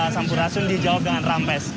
sampurasun dijawab dengan rames